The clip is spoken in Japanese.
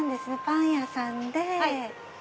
パン屋さんで。